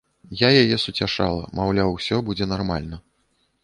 Я яе суцяшала, маўляў, усё будзе нармальна.